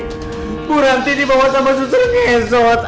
aku berhenti dibawa sama susur ngesot